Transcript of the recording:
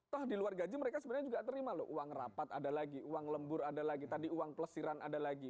toh di luar gaji mereka sebenarnya juga terima loh uang rapat ada lagi uang lembur ada lagi tadi uang pelesiran ada lagi